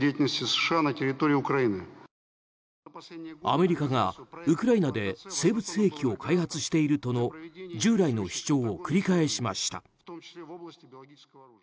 アメリカがウクライナで生物兵器を開発しているとの従来の主張を繰り返しました。